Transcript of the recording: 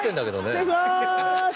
失礼しまーす！